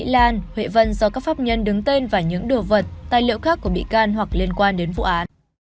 mỹ lan huệ vân do các pháp nhân đứng tên và những đồ vật tài liệu khác của bị can hoặc liên quan đến vụ án